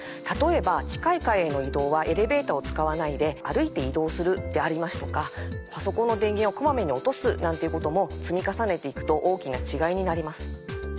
例えば近い階への移動はエレベーターを使わないで歩いて移動するでありますとかパソコンの電源を小まめに落とすなんていうことも積み重ねて行くと大きな違いになります。